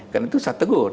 karena itu sategur